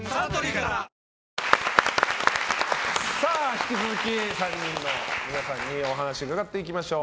引き続き３人の皆さんにお話を伺っていきましょう。